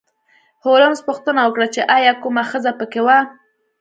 هولمز پوښتنه وکړه چې ایا کومه ښځه په کې وه